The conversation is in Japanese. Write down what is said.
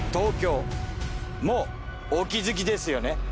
もうお気づきですよね？